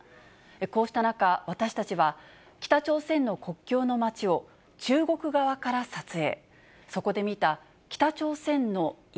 こうした中、私たちは北朝鮮の国境の街を中国側から撮影。